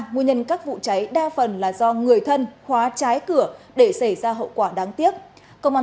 nguyên nhân các vụ cháy đa phần là do người thân hóa trái cửa để xảy ra hậu quả đáng tiếc công an